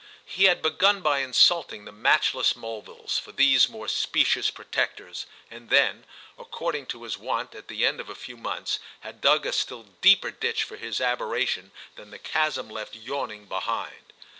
He had begun by insulting the matchless Mulvilles for these more specious protectors, and then, according to his wont at the end of a few months, had dug a still deeper ditch for his aberration than the chasm left yawning behind.